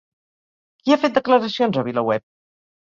Qui ha fet declaracions a VilaWeb?